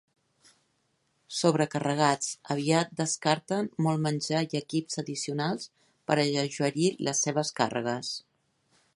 Sobrecarregats, aviat descarten molt menjar i equips addicionals per alleugerir les seves càrregues.